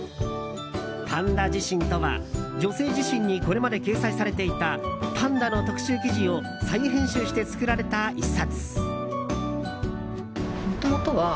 「パンダ自身」とは「女性自身」にこれまで掲載されていたパンダの特集記事を再編集して作られた１冊。